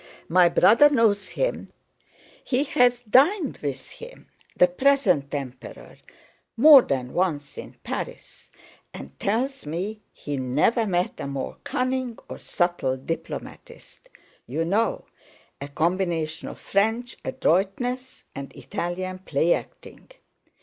My brother knows him, he's dined with him—the present Emperor—more than once in Paris, and tells me he never met a more cunning or subtle diplomatist—you know, a combination of French adroitness and Italian play acting!